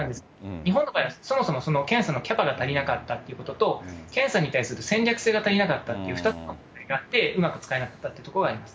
日本の場合は、そもそも、その検査のキャパが足りなかったっていうことと、検査に対する戦略性が足りなかったっていう、２つのがあって、うまく使えなかったっていうところがあります。